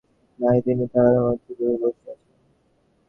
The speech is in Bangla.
প্রতাপাদিত্য এখনও শয়নকক্ষে যান নাই– তিনি তাঁহার মন্ত্রগৃহে বসিয়া আছেন।